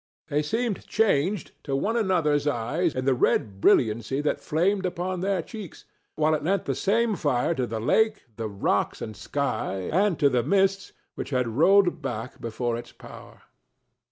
They seemed changed to one another's eyes in the red brilliancy that flamed upon their cheeks, while it lent the same fire to the lake, the rocks and sky, and to the mists which had rolled back before its power.